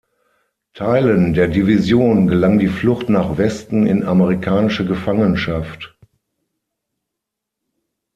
Teilen der Division gelang die Flucht nach Westen in amerikanische Gefangenschaft.